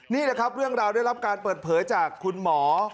นี่แหละครับเรื่องราวได้รับการเปิดเผยจากคุณหมอ